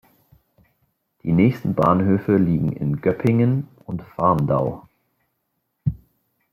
Die nächsten Bahnhöfe liegen in Göppingen und Faurndau.